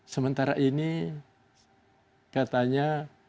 sementara ini katanya